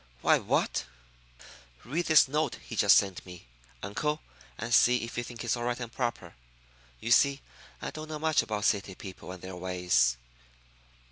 "Why, what " "Read this note he just sent me, uncle, and see if you think it's all right and proper. You see, I don't know much about city people and their ways."